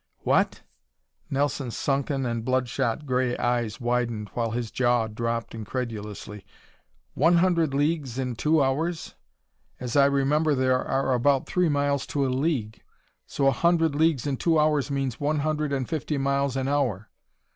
"What!" Nelson's sunken and blood shot gray eyes widened, while his jaw dropped incredulously. "One hundred leagues in two hours? As I remember there are about three miles to a league, so a hundred leagues in two hours means one hundred and fifty miles an hour!